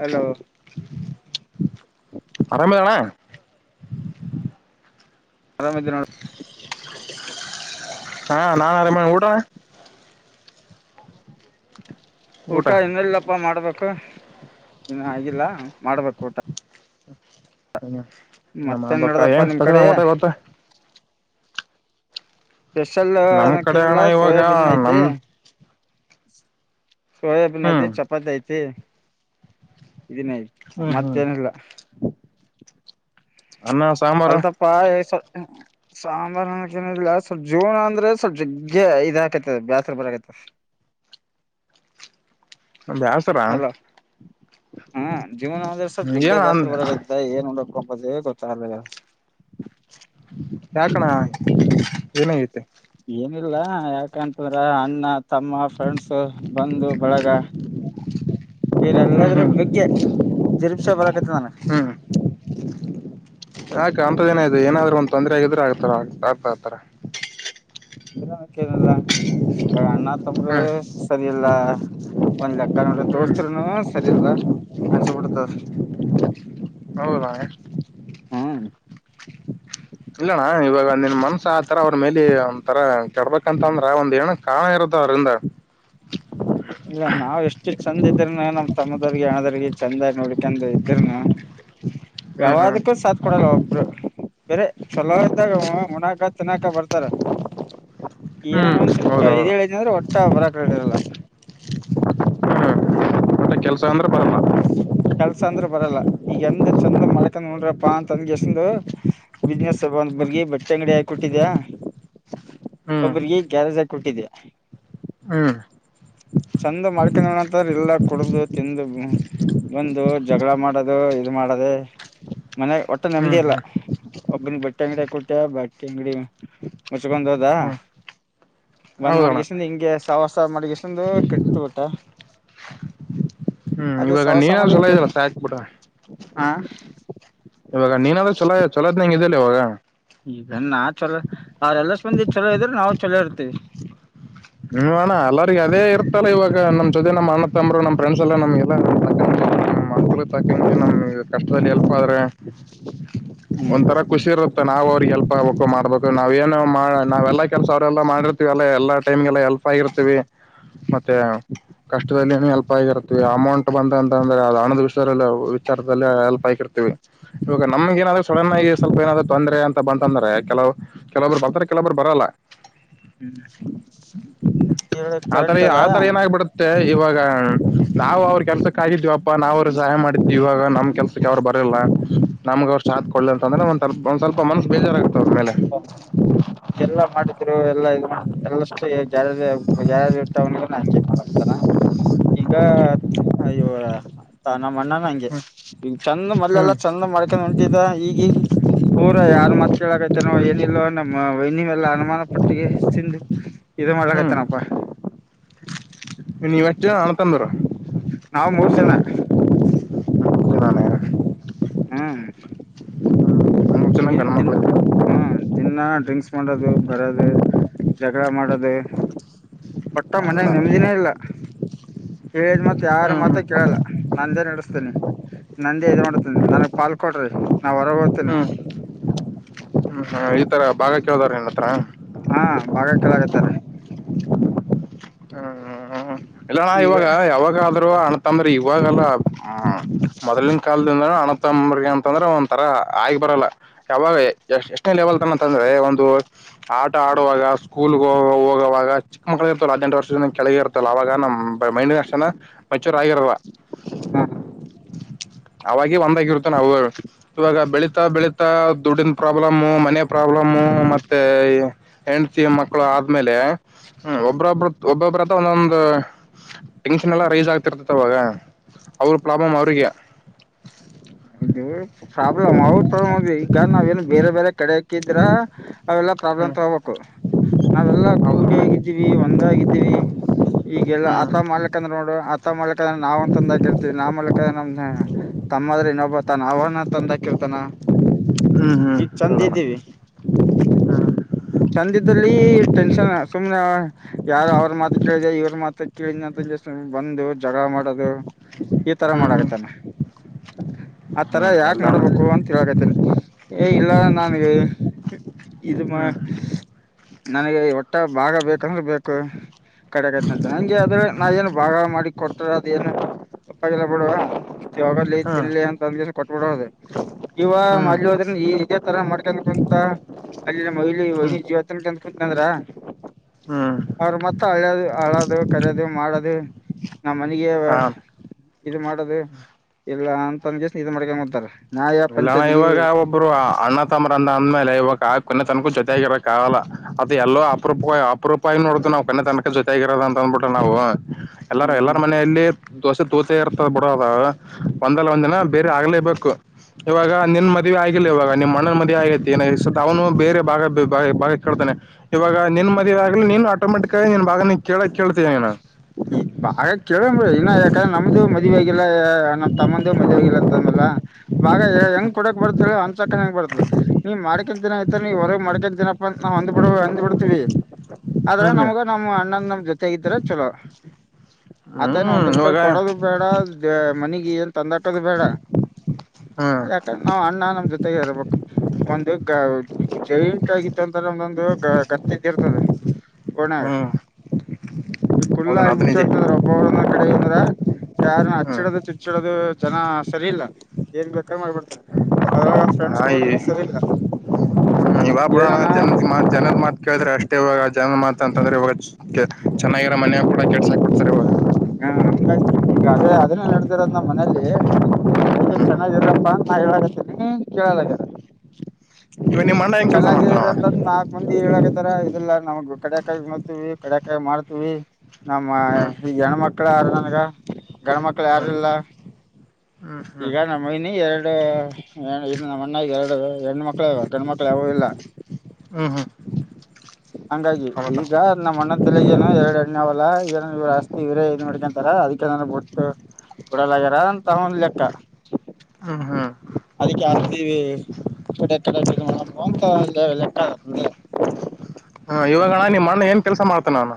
Hello ಹ್ಞೂ ಆರಾಮಿದಣ. ಆರಾಮಿದ ನೋಡ್. ಹಾ ನಾನ್ ಆರಾಮ ಊಟ. ಊಟ ಇನ್ನಲ್ಲಪ್ಪ ಮಾಡ್ಬೇಕು ಇನ್ನ ಆಗಿಲ್ಲ ಮಾಡ್ಬೇಕು ಊಟ. ಮತ್ತೆನ್ ಮಾಡ್ಬೇಕ ನಡ್ದಪ್ಪಾ ಏನ್ ನಿಮ್ ಕಡೆ? ಸ್ಪೆಷಲ್ ಊಟ ಗೊತ್ತ ಸ್ಪೆಷಲ್ ನಮ್ ಕಡೆ ಅನಕಿಲ್ಲ ಅಣ್ಣ ಇವಾಗ ಸೋಯಾಬೀನ್ ಐತೆ. ನಮ್ ಸೋಯಬೀನ್ ಹ್ಮ್ ಐತೆ ಚಪಾತಿ ಐತಿ. [unintelligible] ಹ್ಮ್ ಹ್ಮ್ ಮತ್ತೇನಿಲ್ಲ. ಅನ್ನ ಸಾಂಬಾರು. ಪ [unintelligible] ಸಾಂಬಾರೇನ್ ತಿನ್ನದಿಲ್ಲ ಸ್ವಲ್ಪ ಜೋಳ ಅಂದ್ರೆ ಸ್ವಲ್ಪ ಜಗ್ಗೆ ಇದ ಹಾಕೈತ ಬ್ಯಾಸ್ರ ಬರಕಾಯ್ತದೆ. ಬ್ಯಾ ಅಲ ಹ ಜೀವನ ಅಂದ್ರ ಸ್ವಲ್ಪ ವಿದ್ಯಾಭ್ಯಾಸ ಏನ್ ಬರಕ ಬೖ ಏನ್ ಮಾಡಕ್ಕೊಂಬದೇ ಗೊತ್ತಾಗಲ್ಲ. ಯಾಕಣ ಏನಾಗೖತೆ? ಏನಿಲ್ಲಾ ಯಾಕಂತದ್ರ ಅಣ್ಣ ತಮ್ಮ, ಫ್ರೆಂಡ್ಸು, ಭಂದು, ಬಳಗ. ಬೇರೆ ಹ್ಮ್ ಎಲ್ಲದರ ಹ್ಮ್ ಬಗ್ಗೆ ಜಿರುಪ್ಸಾ ಬರಕತ್ತದ್ ನನ್ಗ. ಹ್ಮ ಯಾಕ ಅಂತದ್ ಏನಾಯ್ತು ಏನಾದ್ರು ಒಂದ್ ತೊಂದ್ರೆ ಆಗಿದ್ರೆ ಆಗ್ತಾರ ಆಗ್ತಾ ಆರ್ತಾರ. ಬರಾಮಕ್ಕೆೇನಲ್ಲ ಅಣ್ಣ ತಂಬ್ರೆ. ಹ್ಮ್ ಸರಿ ಇಲ್ಲ ಒಂದ್ ಲೆಕ್ಕ ನೋಡ್ರ ಹ್ಮ್ ದೋಸ್ತ್ರುನು ಸರಿ ಇಲ್ಲ ಅನ್ಸಬಿಡ್ತದ. ಹೌದ ಹ್ಮ್ ಇಲ್ಲಣ್ಣ ಇವಾಗ ನಿನ್ ಮನ್ಸ ಆತರ ಅವ್ರ ಮೇಲೆ ಒಂತರ ಕೆಡಬಂತ ಅಂದ್ರ ಒಂದ್ ಏನ ಕಾಣ ಇರುತ್ತ ಅವ್ರಂದ ಇಲ್ಲ ನಾವ್ ಎಷ್ಟು ಚಂದ ಇದ್ರನು ನಮ್ ತಮ್ಮದವ್ರಿಗೆ ಹಣದ್ರರಿಗೆ ಚಂದಾಗಿ ನೋಡ್ಕೊಂಡು ಇದ್ರನು [inaudible] ಯಾವದಕ್ಕೂ ಸ ಕೊಡಲ್ಲ ಒಬ್ರು ಬೇರೆ ಚಲೋ ಇದ್ದಾಗ ಮುನಕ ತಿನ್ನಾಕ ಬರ್ತಾರ ಏನನ್ ಹ್ಮ್ ಒಂದ ಸ್ವಲ್ಪ ಹೌದೌದು ಇದದುೇಳಿದ ಅಂದ್ರೆ ಒಟ್ಟ ಬರಕಡಿರಲ್ಲ ಅ ಕೆಲಸ ಅಂದ್ರೆ ಬರಲ್ಲ ಕೆಲ್ಸ ಅಂದ್ರ ಬರಲ್ಲ ಈಗ ಎಂದ ಚಂದ ಮಾಡ್ಕಂದ್ ನೋಡ್ರಪ್ಪಾ ಅಂತಂದಗೆಸಂದ ಬಿಸ್ನೆಸ್ ಹಬ್ಬ ಒಂದ ಹ್ಮ್ ಬರ್ಗಿ ಬಟ್ಟೆ ಅಂಗಡಿ ಹಾಕೊಟ್ಟಿದ್ಯಾ ಹ್ಮ್ ಒಬ್ಬ್ರಿಗೆ ಗ್ಯಾರಜ ಕೊಟ್ಟಿದ್ದ ಹ್ಮ್ ಚೆಂದ ಮಾಡ್ಕೊಂಡಣಂತ ಇಲ್ಲ ಕುಡ್ದು ತಿಂದ ಬಂದು ಜಗಳ ಮಾಡೋದು ಇ ಮಾಡದೆ ಮನೆ ಒಟ್ಟು ಹ್ಮ್ ನೆಮ್ಮದಿಿಯಲ್ಲ ಹ್ಮ್ ಒಬ್ಬನ ಬಟ್ಟೆ ಅಂಗಡಿಯ ಕೊಟ್ಯ ಬಟ್ಟೆ ಅಂಗಡಿ ಮುಚ್ಕೊಂಡ ಹೋದ ಹ್ಮ್ ಒಂದ್ ಹೌದಣ್ಣ ಮಾಡಿಗೆ ಇಷ್ಟಂದು ಹಿಂಗೆ ಸಾವಿರ್ ಸಾವಿರ ಮಾಡಿ ಎಷ್ಟಂದು ಕೆಟ್ತ ಬಿಟ ಹ್ಮ್ ಅದು ಇವಾಗ ನೀನಾದ್ ಸವಸಾಮಾನ ಚಲೋ ಇದಲ್ಲ ಸಾಕ್ ಬಿಡ ಹಾ ಇವಾಗ ನೀನಲ್ಲ ಚಲಾ ಚಲೋದನಂಗ ಇದಲ್ಲಿ ಇವಾಗ ಈಗಾ ಚಲೋ ಅವ್ರೆಲ್ಲ ಸ್ ಬಂದಿ ಚಛಲೋ ಇದ್ರೆ ನಾವು ಚಲೋ ಇರ್ತೀವಿ ಹ್ಮ್ ಅಣ್ಣ ಅಲ್ಲಗ ಅದೇ ಇರ್ತಲ್ಲ ಇವಾಗ ನಮ್ ಜೊತೆ ನಮ್ಮ ಅಣ್ಣ ತಂಬರು ನಮ್ ಫ್ರೆಂಡ್ಸ್ ಎಲ್ಲ ನಮ್ಗೆಲ್ಲ ಅನುಕಲಾಕ ನಮ್ ಕಷ್ಟದಲ್ಲಿ ಎಲ್ಪ ಆದ್ರೆ ಹ್ಮ್ ಒಂಂತರ ಖುಷಿ ಇರತ್ತೆ ನಾ್ ಅವ್ರಿಗೆ ಎಲ್ಪ್ ಆಗ್ಬೇಕು ಮಾಡ್ಬೇಕು ನಾವ್ೇಏನು ನಾವೆಲ್ಲಾ ಕೆಲಸ ಅವ್ರೆಲ್ಲಾ ಮಾಡಿರ್ತಿೀವಲ್ಲ ಎಲ್ಲ ಟೈಮ್ಗೆಲ್ಲ ಎಲ್ಪ್ ಆಗಿರ್ತೀವಿ ಮತ್ತೆ ಕಷ್ಟದಲ್ಲಿ ಏನ ಎಲ್ಪ ಆಗಿರುತ್ತ ಅಮೌಂಟ್ ಬಂದ ಅಂತ ಅಂದ್ರೆ ಅದು ಹಣದ ವಿಚಾರದಲ್ಲಿ ಅಲ್ಪ ಆಕಿರ್ತೀವಿ ಇವಾಗ ನಮ್ಗ ಏನಾದ್ರು ಸಡನ್ ಆಗಿ ಸ್ವಲ್ಪ ಏನಾದ್ ತೊಂದರೆ ಅಂತ ಬಂತಂದ್ರೆ ಕೆಲವು ಕೆಲವರು ಬರ್ತಾರೆ ಕೆಲವರು ಬರಲ್ಲ ಹ್ಮ್ ಆತರ ಕರೆಕ್ಟ್ ಅದ ಆತರ ಏನಾಗಬಿಡುತ್ತೆ ಮತ್ತೆ ಇವಾಗ ನಾವು ಅವ್ರ ಕೆಲಸಕ್ಕಾಗಿದ್ವಿಪ್ಪಾ ನಾವ್ ಅವ್ರು ಸಹಾಯ ಮಾಡಿದ್ವಿ ಇವಾಗ ನಮ್ ಕೆಲ್ಸ ಅವ್ರು ಬರೋಲ್ಲ ನಮ್ಗ ಅವಷ್ಟ ಹಾತ್ ಕೊೊಳ್ಳಲಿ ಅಂದ್ರ ಒ ಒ್ ಸ್ವಲ್ಪ ಮನಸ ಬೇಜಾರಾಗಗುತ್ತೆ ಅವ್ರ ಮೇಲೆ ಇದೆಲ್ಲ ಮಾಡ ಎ ಎಲ್ಲಷ್ಟುಾರ ಯಾರ ಇಟ್ಟಂದ ನಾಂಜ ಮಾಡಡ್ತಾರ ಈಗ ಅಯ್ಯೋ ನಮ್ಮ್ ಅಣ್ಣ ಹಂಗೆ್ ಚಂದ ಮದ್ಲೆಲ್ಲಾ ಹ್ಮ್ ಚಂದ ಮಾಡ ನಟಿದ ಈಗೀಗ ಹಊರ ಯಾರ ಮಾತ್ ಕೇಳಕೈ ನ ಏನಿಲ್ಲವ ನಮ್ಮ ನಿವೆಲ್ಲ ಅನುಮಾನ ಪಟ್ಟ ತಿಿಂದ ಇ ಮಾಡ್ಲಕತನಪ್ಪಾ ನೀವತ್ತ ಅಣತಂದ್ರ ನಾವ್ ಮೂರು ಜನ ನಾನೇ ಹ್ಮ ಮೂರ್ ಜನ ಏನು ಗಂಡ ಇಲ್ಲ ದಿನ ಮಕ್ಳು ಹ್ಮ ದಿನಾ ಡ್ರಿಂಕ್ಸ್ ಮಾಡೋದು ಬರೋದು ಜಗಳ ಮಾಡೋದು [unintelligible] ಒಟ್ಟ ಮನ್ಗ ಮುಮ್ದಿನೇ ಇಲ್ಲ ಹೇಳಿದ್ ಮತ್ ಯಾರ ಹ್ಮ್ ಮಾತ ಹ್ಮ್ ಕೇಳಲ್ಲ ನಂದೇ ನಡೆಸ್ತೇನಿ ನಂದೇ ಇದು ಮಾಡತೀನಿ ನನಗ್ ಪಾಲ್ ಕೊಡ್ರಿ ನಾ ಹೊರಗೆ ಹೋಗ್ತೇನಿ ಹ್ಮ್ ಹ್ಮ್ ಹ ಈ ತರ ಭಾಗ ಕೇಳದಾರಣನ್ನತ್ರ ಹಾ ಬಾಗ ಕೆಳಾಗತ್ತಾರ ಹ್ಮ್ ಹ್ಮ್ ಇಲ್ಲಾ ಈಗ ಇವಾಗ ಯಾವಾಗಾದರು ಅಣಂತಂದ್ರೆ ಇವಾಗೆಲ್ಲ ಹ್ಮ್ ಮೊದ್ಲಿನ ಕಾಲದಿಂದನ ಅನತ್ತಂಬರ್ಗೆ ಅಂತಂದ್ರೆ ಒಂ ತರ ಆಗ್ ಬರಲ್ಲ ಯಾವಾಗ ಎಷ್ಟ ಎಷ್ಟನೇ ಲೆವೆಲ್ ತನಂತಂದ್ರೆ ಒಂದು ಆಟ ಆಡುವಾಗ ಸ್ಕೂಲ್ಗೆ ಹೋಗ ಹೋಗುವವಾಗ ಚಿಕ್ಕ ಮಕ್ಕಳ ಅಜೆಂಟ್ ಕೆಳಗೆ ಇರ್ತ್ತಲ್ಲ ಅವವಾಗ ನಮ್ಮ್ ಮೈಂಡ್ಕ್ಷಣ ಮೆಚೂರ್ ಆಗಿರಲ್ವ ಹ ಅವಾಗ ಒಂದಾಗಿರುತ್ತ ನಾವು ಇವಾಗ ಬೆಳೀಿತಾ ಬೆಳೀಿತಾ ದುಡ್ಡಿನ ಪ್ರಾಬ್ಲಮ ಮನ ಪ್ರಾಬ್ಲಮು ಮತ್ತೆ ಹೆಂಡತಿ ಮಕ್ಕಳು ಆದ್ಮೇಲೆ್ಮ ಒಬ್ಬ್ರೊಬ್ರ ಒಬ್ಬೊಬ್ರತ್ರ ಒಂದೊಂದು ಟೆನ್ಷನ್ ಎಲ್ಲಾ ರೈಸ್ ಆಗ್ತಿರ್ತತೆವಾಗ ಅವ್ರ ಪ್ರಾಬ್ಲಮ್ ಅವ್ರಿಗೆ ಇದು ಪ್ರಾಬ್ಲಮ್ ಅವದ ಪ್ರಾಬ್ಲಮ್ ಅದು ಈಗ ನಾವ್ ಏನು ಬೇರೆ ಬೇರೆ ಕಡೆ ಹಕ್ಕಿದ್ರ ಅವೆಲ್ಲಾ ಪ್ರಾಬ್ಲಮ್ ಹ್ಮ್ ತ ಹಬೇಕು ನಾವೆಲ್ಲಾ ಹೌದು ಕೂಡ ಆಗಿದ್ದೀವಿ ಒಂದಗಿದ್ದೀವಿ ಈಗಲ್ಲಾ ಅತ ಹ್ಮ್ ಮಾಡ್ಕ್ ಅಂದ್ರೆ ನೋಡು ಆತ ಮಾಡ್ಕ್ ಅಂದ್ರೆ ನಾವವುಂತ ತಂದ ಆಗ ಇರ್ತೀವಿ ನಾವ್ ಮಾಡ್ಕಕ್ಂದ್ರೆ ನಮ್ದ ತಮ್ಮದ್ರೆ ಇನ್ನೊಬ್ಬ ತಾನ ಅವನ ತಂದಾಕಿರ್ತಾನ ಹ್ಮ್ ಹ್ಮ್ ಹೌದಣ ಚಂದಿದ್ದೀವಿ ಚೆಂದಿದ್ದಲ್ಲಿ ಟೆನ್ಷನ್ ಸುಮ್ನೆ ಯಾರ ಅವ್ರ ಮಾತು ಕೇಳಿದೆ ಇವ್ರ ಮಾತ ಕಳಿನ ಬಂದು ಜಗಳ ಮಾಡೋದು ಈ ತರ ಹ್ಮ್ ಹ್ಮ್ ಮಾಡಗತ್ತಾನ ಆತರ ಹ್ಮ್ ಯಾಕಕ್ ಎಲ್ಲ ಹ್ಮ್ ಮಾಡ್ಬೇಕು ಅಂತ ಹೇಳಕೈತೇನಿ ಏ ಇಲ್ಲ ನನಗೆ ಇದು ಮಾ ಹ್ಮ್ ನನಗೆ ಒಟ್ಟ ಭಾಗ ಬೇಕಂದ್ರೆ ಬೇಕು ಕಡೆ ಆತ ಅಂತೆ ನಂಗೆ ಆದದ್ರೆ ನಾವೇಏನು ಭಾಗ ಮಾಡಿ ಕೊಟ್ರ ಅದ ಏನು ಒಪ್ಪಾಗಿಲ್ಲ ಬಿಡುವಗ ತಿಲ್ಲಿಲಿ ಅಂತ ಅಂದ ಕೊಟ್ಬಿಡದು ಇವ ಹ್ಮ್ ಹ್ಮ್ ಮಲ್ಲಿ ಈ ನಿಜ ತರ ಮಾಡ್ಕಂತ ಅಲ್ಲಿ ಮಹಿಲಿ ವೈಿಜ್ಯ ಕುಂತ ಅಂದ್ರ ಹ್ಮ್ ಅವ್ರ ಮ ಅದು ಆಳೋದು ಕರೆಯೋದು ಮಾಡೋದು ನಮ್ಮ್ ಮನೆಗೆ ಹಾ ಇದು ಮಾಡೋದು ಇಲ್ಲ ಅಂತ ಅನ್ಗೆ ಇದ ಮಾಡ್ಕೊಂಡಂಗ ಹದ್ತಾರ ಇಲ್ಲಣ ಇವಾಗ ಒಬ್ರು ಅಣ್ಣ ಂಬ ಅಂದ ಅಂದ್ಮೇಲೆ ಇವಾಗ ಕೊನೆ ತನಕೂ ಜೊತೆ ಆಾಗಿರಕ್ಕಾಗಲ್ಲ ಅದು ಎಲ್ಲೋ ಅಪರೂಪ ಅಪರೂಪ ಉಪಾಯ ನೋಡ್ದದು ನಾವು ಕಣ ತನಕಕ್ಕೆ ಜೊತೆ ಆಾಗಿರೋದ ಅಂತ ಅಂದ್ಬಿಟೆ ನಾವು ಎಲ್ಲಾರ ಹ್ಮ್ ಎಲ್ಲರ ಹ್ಮ್ ಮನೆಯಲ್ಲಿ ದೋಸೆ ತೂತ ಇರ್ತದ ಬಿಡೋ ಅದ ಒಂದಲ್ಲ ಒಂದ್ ದಿನ ಬೇರೆ ಆಗ್ಲೇಬೇಕು ಇವಾಗ ನಿನ್ ಮದ್ವಿೆ ಆಗಿಲ್ಲ ಇವಾಗ ನಿಮ್ಮ ಮಣ ಮದ್ ಆಗೈತಿ ಏನ ಸತ್ ಅವನು ಬೇರೆ ಭಾಗ ಬ ಬಾಗ ಕೇಳ್ತಾನೆ ಇವಾಗ ನಿನ್ ಮದುವೆ ಆಗಲಿ ನೀನ್ ಆಟೋಮೆಟಿಕ್ ಆಗಿ ನೀನ್ ಭಾಗ ಕೇಳಕ್ ಕೇಳ್ತೀನ ಬಾ ಕೇಳವಿ ಇನ್ನು ಯಾಕಂದ್ರೆ ನಮ್ದು ಮದ್ ಆಗಲ್ಲ ನಮ್ಮ ತಮ್ಮಂದೂ ಮದ್ ಆಗಲ್ಲ ಅಂತ ಮೇ ಬಾಗ ಹೆಂಗ್ ಕೊಡಕ್ ಬರ್ತ ಒಂದಸ ಬರ್ತ ನೀವ ಮ್ಕನ್ ದಿನ ಆಯ್ತ ನೀವ ಹೊರಗೆ ಮ ಮಾಡಕನ್ ದಿನಪ್ಪ ಅ ನಾವು ಹೊಂದ್ ಬಿಡ ಹೊಂದ್ ಬಿಡ್ತೀವಿ ಆದ್ರ ಹ್ಮ್ ನಮ್ಗ ನಮ್ಮ್ ಅಣ್ಣನ್ ನಮ್ ಜೊತೆಗಿದರ ಚಲೋ ಆತ ನ ಹ್ಮ್ ಒಂದ್ ರೂಪಾಯಿ ಇವಾಗ ಕೊಡೋದು ಬೇಡ ಮನಗೆ ತಂದಾಟದು ಬೇಡ ಹ್ಮ್ ಯಾಕ ನಾವ್ ಅಣ್ಣ ನಮ್ ಜೊತೆಗೆ ಇರ್ಬೇಕು ಒಂದು ಜೈಂಟ್ ಆಗಿತ್ತು ಅಂದ ನಮ್ದೊಂದು ಕರ್ತ್ತಿದ್ದಿರ್ತದೆ ಹ ಗಣ ಈಗ ಕುುಲ್ ಹೌದಣ್ಣ ಅದು ಆಗಗ್ಬಿಟ್ಟು ನಿಜ ಅಂತಂದ್ರೆ ಒಬ್ಬ ಅವ್ರನ್ನ ಈ ಕಡೆ ಅಂದ್ರ ಯಾರು ಹ್ಮ್ ಹಚ್ಚಿಡದು ಚುಚ್ಚಿಡದು ಜನ ಸರಿ ಇಲ್ಲ ಏನ್ ಬೇಕ್ರ ಮಾಡ್ಬಿಡ್ತಾರೆ ಅದ್ರಾಗ ಫ್ರೆಂಡ್ಸ್ ಸರಿ ಇಲ್ಲ ಹ್ಮ ಇವಾಗ ಬಡೋಣ ಏನನ ಜನ ಜನದ ಮಾತ್ ಕೇಳಿದ್ರೆ ಅಷ್ಟ್ ಇವಾಗ ಜನ ಮಾತ ಅಂತಂದ್ರೆ ಇವಾಗ ಚೆನ್ನಾಗಿರೋ ಮನೆಯ ಕೂಡ ಕೆಡ್ಸಕ್ತಾರೆ ಹಾ ಈಗ ಅದೇ ಅದನ್ನೇ ನಡೆದರದ ನ್ ಮನೇೆಯಲ್ಲಿ ಅಯ್ಕ ಚೆನ್ನಾಗಿರಪ್ಪಾ ನಾ ಹೇಳಕತ್ತೀನಿ ಕೇಳಲಗಾರ ಇವ ನಿಮ್ಮ್ ಅಣ್ಣ ಹೆಂಗನ್ ಕೆಲ್ಸ ಮಾಡ್ತಾನವ ಮುಂದಿ ಹೇಳಕತರ ಇದೆಲ್ಲಾ ನಮಗ್ ಕಡಕಾಯಿ ನೋಡ್ತವಿ ಕಡಕಾಯಿ ಮಾಡ್ತೀವಿ ನಮ್ಮ ಈಗ ಹೆಣ್ಮಕ್ಳ ಯಾರು ನನ್ಗ ಗಂಡ ಮಕ್ಳು ಹ್ಮ್ ಯಾರುಲ್ಲ ಹ್ಮ್ ಈಗ ಹ್ಮ್ ನನಿ ಎರಡು ಇದು ನಮ್ಮ ಅಣ್ಣ ಎರಡು ಎರಡು ಮಕ್ಕಳು ಇದವು ಗಣಮಕ್ಳು ಯಾವು ಇಲ್ಲ ಹ್ಮ್ ಹ್ಮ್ ಹ್ಮ್ ಹಂಗಾಗಿ ಹೌದಾ ಈಗ ನಮ್ಮ ಅಣ್ಣ ತಲೆಗೆ ಎರಡ್ ಎಣ್ಣ ಅವಲ್ಲ ಏನ ಇವ್ ಆಸ್ತಿ ಇವರೇ ಇದ್ ಮಾಡ್ಕೊಂತಾರ ಅದಕ್ಕೆನ ಬ ಬಿಟ್ಟು ಕೊಡಲಗ್ಯಾರ ಅಂತ ಹೊಂದ್ ಲೆಕ್ಕ ಹ ಹಾ ಅದಕ್ಕೆ ಆವಿ ಕಡೆ ಕಡೆ ಮಾಡ ಅಂತ ಲೆಕ್ಕ ಆ ಹಾ ಇವಾಗಣ ನಿಮ್ಮ ಅಣ್ಣ ಏನ್ ಕೆಲ್ಸ ಮಾಡ್ತಾನ ಅವ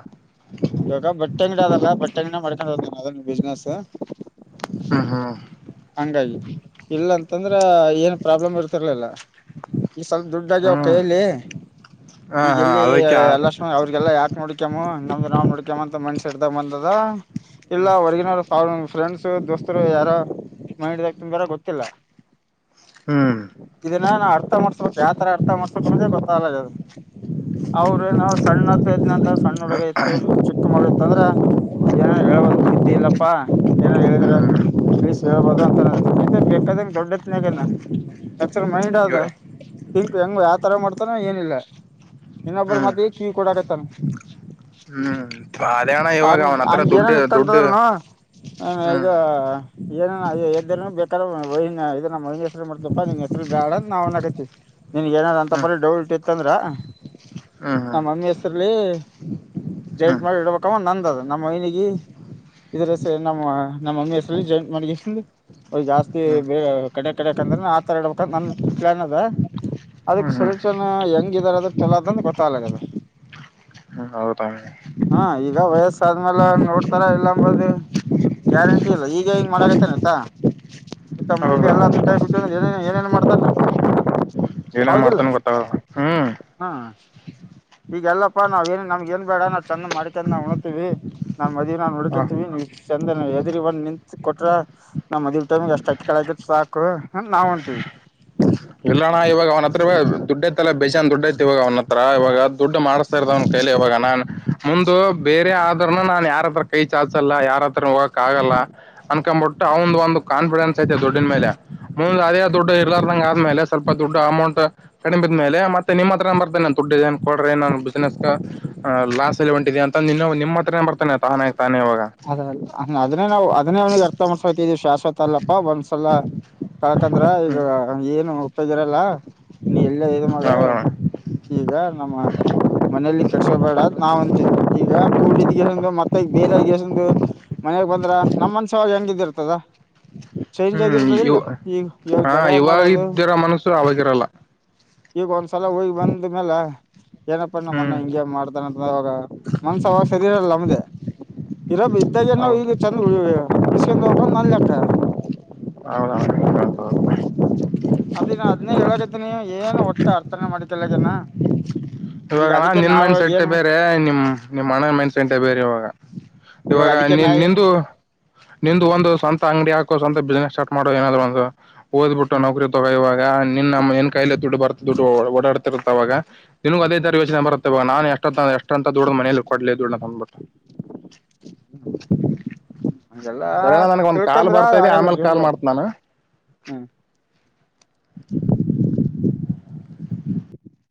ಇವಾಗ ಬಟ್ಟೆ ಅಂಗಡಿ ಅದಲ್ಲ ಬಟ್ಟೆ ಅಂಗಡ ಮಾಡ್ಕೊಂಡು ಹೋಗ್ನ ಅದ ಬಿಸ್ನೆಸ್ ಹ್ಮ ಹ್ಮ ಹಂಗಾಗಿ ಇಲ್ಲ ಅಂತಂದ್ರ ಏನ್ ಪ್ರಾಬ್ಲಮ್ ಇರ್ತಿರ್ಲಿಲ್ಲ ಈ ಸ್ವಲ್ಪ ದುಡ್ಡಾಗಿಯ ಅವ ಕ ಹ್ಮ್ ಹೇಳಿ ಹಾ ಈಗ ಹಾ ಎಲ್ಲಿ ಅದಕ್ಕೆ ಎಲ್ಲಷ್ಟ ಅದಕ್ಕೆ ಅವ್ರರಿಗೆಲ್ಲಾ ಯಾಕ್ ನೋಡಿಕ್ಯಾಮ ನಮ್ದ ನಾವು ನಡ್ಯ ಅಂತ ಮನ್ಸ ಹಡ್ದ ಬಂದದ ಇಲ್ಲ ಹೊರ್ಗಿನವ್ ಫ್ರೆಂಡ್ಸ್ ದೋಸ್ತರು ಯಾರೋ ಮೈಂಡ್ಗ ತಾರ ಗೊತ್ತಿಲ್ಲ ಹ್ಮ್ ಇದನ್ನ ನಾ ಅರ್ಥ ಮಾಡ್ಸ್ಬೇಕಕ್ ಯಾವತರ ಅರ್ಥ ಮಾಡ್ಸ್ಬೇಕ ಅಂದೆ ಗೊತ್ತಾಗಲ್ಲದು ಅವ್ರೇನಾವ್ ಸಣ್ಣ ಹತ್ದ್ನಂತ ಸಣ್ಣ ಹುಡುಗ ಇತ್ತು ಚಿಕ್ಕ ಮಗ ಇತ್ತ ಅಂದ್ರ ಏನೇ ಹೇಳ್ಬೋದು ಬುದ್ಧಿ ಇಲ್ಲಪ್ಪಾ ಏನ ಹೇಳಿದ್ರ ಹ್ಮ್ ತಿಳಿಸಿ ಹೇಳ್ಬೋದು ಅಂತ ನೀ ಬೇಕಾದಂಗ ದೊಡ್ಡತ್ನಾಗನ ಎರ್ ಮೈಂಡ್ ಆದ ಇವ ಹಂಕು ಹೆಂಗ ಯಾವ ತರ ಮಾಡ್ತಾನ ಏನಿಲ್ಲ ಇನ್ನೊಬ್ಬರ ಹ್ಮ್ ಮತ್ಗೆ ಕೀ ಕೊಡಾಕತಾನ ಹ್ಮ್ ಅದೇ ಅಣ್ಣ ಇವಾಗ ಹಂಗ ಅವನ ಹತ್ರ ಹಂಗ ಏನನ್ ದುಡ್ಡು ದುಡ್ಡು ಇತ್ತಂತದ್ರನು ಹ ಈಗ ಹ್ಮ್ ಏನೇ ಎದ್ದ ಬೇಕಾದ ವಿನ ಇದ ನಮ್ಮ ಮಹಿನ ಹೆ ಮಾಡ್ದಪ್ಪಾ ನಿನ್ ಹೆಸರು ಬ್ಯಾಡ ಅ ನಾವು ನಡತಿವಿ ನಿನ್ ನಾರ ಅಂತ ಹ್ಮ್ ಬರೀ ಡೌಲ್ಟ್ ಇತ್ತಂದ್ರ ಹ್ಮ್ ಹ್ಮ್ ನಮ್ಮಮ್ಮಿ ಹೆಸರ್ಲ್ಲಿ ಜೇಟ್ ಹ್ಮ್ ಮಾಡಿ ಇಡ್ಬೇಕಮ್ಮ ನಂದದ ನಮ್ಮ ಮನಿಗೆ ಇದ್ರಸ ನಮ್ಮ ನಮ್ಮಮ್ಮಿ ಹೆಸರಲ್ಲಿ ಜಾಯಿಂಟ್ ಮಾಡ ಹ ಜಾಸ್ತಿ ಹ್ಮ್ ಹ್ಮ್ ಬೇ ಕಡೆ ಕಡೆಕಂದ್ರೆ ಆತರ ಇಡ್ಬೇಕಂತ ನನ್ ಪ್ಲಾನ್ ಅದ ಅದಕ್ ಹ್ಮ್ ಸ್ವಲ್ಪ ಹ್ಮ್ ಚನ ಹೆಂಗ ಇದಾರ ಅದ್ರ ಚಲೋ ಅದಂದ ಗೊತ್ತಾಗಲದ ಹೌದ ಹಾ ಈಗ ವಯಸ್ಸ ಆದ್ಮೇಲೆ ನೋಡ್ತಾರ ಇಲ್ಲ ಅಂಬದು ಗ್ಯಾರಂಟಿ ಇಲ್ಲ ಈಗ ಹಿಂಗ ಮಾಡಕತ್ತನಯತ್ತಾ ಇತ್ತ ಮುಂದೆ ಹೌದಾ ಎಲ್ಲತ್ನ ಕಾಯಿ ಬಿಟ್ಟ ಅಂದ್ರೆ ಏ ಏನೇನ್ ಮಾಡ್ತಾರ ಏನೇ ಮಾಡತಾನ ಗೊತ್ತ ಹ್ಮ್ ಈಗಲ್ಲಪ್ಪಾ ನಾವ ಏನ್ ನಮ್ಗೆ ಏನ್ ಬೇಡ ನಾವು ಚಂದ್ ಮಾಡ್ಕೊಂಡ್ ನ ಉಣತೀವಿ ನಮ್ ಮದವಿ ನಾನ್ ಹ ನುಡ್ಕತಿವಿ ನೀವ್ ಚಂದ ಹೆದರಿ ಬಂದ್ ನಿತ್ ಕೊಟ್ರ ನಮ್ಮ್ ಮದ್ ಟೈಮ್ ಅಷ್ಟ ಅಕ್ಕಿ ಕಾಳು ಅಕಿರ ಸಾಕು ನಾವ್ ಹೊಂಂತೀವಿ ಇಲ್ಲಣ್ಣ ಇವಾಗ ಅವ್ತ್ರ ಡ್ಡಐಲ್ಲ ಬೇಜನ್ ದುಡ್ ಐತಿ ಇವ ಅವ್ನತ್ರ ಇವಾಗ ದುಡ್ಡು ಮಾಡ ಸರ್್ನ್ ಕೈಲಿ ಇಾಗ ನಾನು ಮುಂದ ಬೇರೆ ಆದ ನಾನ್ ಯಾರತ್ರ ಕೈ ಚಾಲ್ಸಲ್ಲ ಯಾರತ್ರ ಹೋಗಕ್ ಆಗಲ್ಲ ಅನ್ಕೊ್ಂಬಿಟ್ಟು ಅವ ಒ್ ಒಂದು ಕಾಫಿಡೆನ್ಸ್ ಐತೆ ದುಡ್ಡಿನ ಮೇಲೆ ಮುಂದ್ ಅದೇ ದುಡ್ ಇರ್ಲಾರದಂಗ ಆದ್ಮೇಲೆ ಸ್ವಲ್ಪ ದುಡ್ ಅಮೌಂಟ್ ಕಡಿಮೆಿದ ಮೇಲೆ ಮತ್ತೆ ನಿಮ್ಮ ಹತ್ರನ ಬರ್ತೇನೆ ದುಡ್ಡ ಇದ ಕೊಡ್ರಿ ನ ಬಿಸಿನನೆಸ್ ಲಾಸ್ ಎಲ್ಲಿ ಹೊಂಟಿದ ಅಂತ ನಿಮ್ಮ ಹತ್ರನನೆ ಬರ್ತಾನೆ ತಾನೇ ತಾನೇ ಇವಾಗ ಅದ ಅದನ್ನೇ ನಾ ಅದೇ ಅವನಿಗೆ ಅರ್ಥ ಮಾಡ್ಸಕತಿದವಿ ಶ ೊತ್ತಲ್ಲಪ್ಪ ಒಂದ್ಸಲ ಕಾಕಂದ್ರ ಈಗ ಹ್ಮ್ ಏನು ಉಪೋಗಿರಲ್ಲ ನೀ ಎಲ್ಲ ಇ ಮಾಡುವ ಹೌದಣ್ಣ ಈಗ ನಮ್ಮ ಮನೇಲಿ ಕಟ್ಸಕೋಬೇಡ್ ನಾವ ಅಂತೀವಿ ಈಗ ಕೂಡಿದ್ ಗಸಂದ ಮತ್ತೆ ಬೇರೆ ಗಸ ಮನಯಗ್ ಬಂದ್ರ ನಮ್ಮ್ ಮನ್ಸವಾಗ ಹೆಂಗಿದ್ದಿರ್ತದ ಚೇಂಜ್ ಹ್ಮ್ ಆಗಿರ್ತದಿಲ್ಲ ಇವ ಈಗ ಇವಾಗ ಹಾ ಜಗಳ ಮಾಡೋದು ಇವಾಗಿದ್ದರ ಮನಸ್ಸು ಅವಾಗಿರಲ್ಲ ಈಗ ಒಂದ್ಸಲ ಹೋಗಿ ಬಂದ್ಮೇಲೆ ಏನಪ್ಪ ನ ಮಣ್ಣ ಹ್ಮ್ ಹಿಂಗೆ ಮಾಡ್ತಾನಂತ ಅವಾಗ ಮನ್ಸ ಅವಾಗ ಶರೀರಲ್ಲಿ ನಮ್ದೇ ಇರಬ್ ಇದ್ದಾಗ ಏನ ಹೌದು ಈಗ ಚಂದ ಉಳ್ಸಕೊಂಡ ಹೋಗೊಂಡ್ ನನ್ ಲೆಕ್ಕ ಹೌದಏ ಮಾಡ್ತ ಅದೇ ಅದ್ೇ ಹೇಳದನಿ ಏನ್ ಒಟ್ಟಾ ಅರ್ಥನ ಮಾಡಿಕಲ್ಲಗನ ಈಗ ಇವಾಗಣ ಅದಕ್ಕೆ ನಿನ್ ನಾವ ಮೆನ್ಸೆಟೆ ಏನು ಬೇರೆ ನಿಮ್ ನಿಮ್ ಅಣ್ಣ ಮೆನ್ಸೆಂಟೆ ಬೇರೆ ಇವಾಗ ಇವಾಗ ಅದಕ್ಕೆ ನಿ ನಾ ಏನ್ ನಿಂದು ನಿಂದು ಒಂದು ಸ್ವಂತ ಅಂಗಡಿ ಹಾಕೋ ಸ್ವಂತ ಬಿಸನೆಸ್ ಸ್ಟಾರ್ ಮಾಡೋ ಏನಾದ್ರು ಒಂದು ಓದ್ಬಿಟ್ಟು ಹ್ಮ್ ನೌಕರಿ ತಗೋ ಇವಾಗ ನಿನ್ ನಮ್ಮ ಏನ್ ಕೈಲೆ ದುಡ್ಡು ಬರ್ತ ದುಡ್ಡು ಓಡಾಡ್ತಿರುತ್ತ ಅವಾಗ ನಿಿನಗಗ್ ಅದೇ ತರ ಯಚನೆ ಬರುತ್ತೆ ಬ ನಾ ಎಷ್ಟತ್ತ ಎಷ್ಟು ಅಂತ ದೊಡ್ಡ ಮನೇಲಿ ಕೊಡ್ಲ ದುಡ್ಡ ಅಂದ್ಬಿಟ್ಟ ಹಂಗೆಲ್ಲಾ ಸರಿನಾ ನನ್ಗ ಒಂದ್ ಕಾಲ್ ತಿಳ್ಕಂದ್ರ ಬರ್ತಾದೆ ಆಗಲ್ಲ ಆಮೇಲ್ ಕಾಲ್ ಜೀವನ್ದಾಗ ಮಾಡ್ತ ನಾನು ಹ್ಮ್ [unintelligible] ಹ